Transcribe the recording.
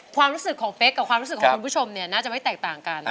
ความรู้สึกของเป๊กกับความรู้สึกของคุณผู้ชมเนี่ยน่าจะไม่แตกต่างกัน